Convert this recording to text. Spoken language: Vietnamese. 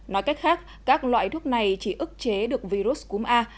nói cách khác các loại thuốc này chỉ ức chế được virus cúm a